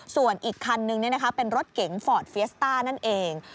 ส่วนอีกคันนึงเป็นรถเก๋งฟอร์ดเฟียสต้านั่นเอง